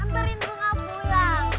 ntar rindu gak pulang